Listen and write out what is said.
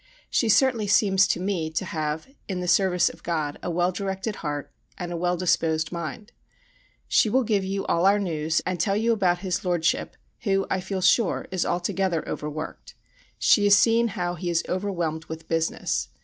She certainly seems to me to have, in the service of God, a well directed heart, and a well disposed mind. She will give you all our news and tell you about his Lordship, who, I feel sure, is altogether overworked. She has seen how he is overwhelmed with business.